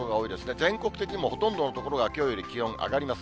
全国的にもほとんどの所がきょうより気温上がります。